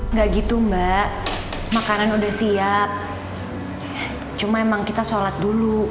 nggak gitu mbak makanan udah siap cuma emang kita sholat dulu